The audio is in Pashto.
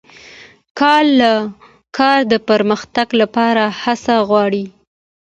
کار د پرمختګ لپاره هڅه غواړي